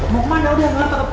mau ke mana udah kenapa